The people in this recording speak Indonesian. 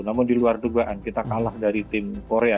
namun di luar dugaan kita kalah dari tim korea